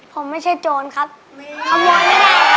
ผมไม่ใช่โจรครับขโมยไม่ได้ครับ